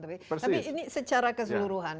tapi ini secara keseluruhan